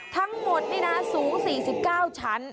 ทั้งหมดนี่นะสูง๔๙ชั้น